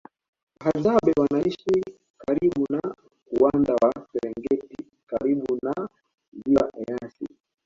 Wahadzabe wanaishi karibu na uwanda wa serengeti karibu na ziwa eyasi